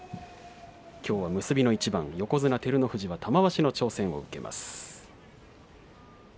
きょうは結びの一番横綱照ノ富士は玉鷲の挑戦を受けます。